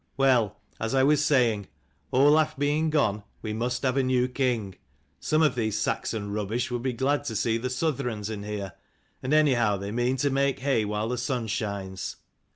Well, as I was saying, Olaf being gone we must have a new king. Some of these Saxon rubbish would be glad to see the Southrons in here : and anyhow they mean to make hay while the sun shines."